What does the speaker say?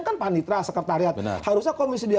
kan panitra sekretariat harusnya komisi dia